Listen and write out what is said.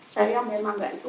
saya memang gak itu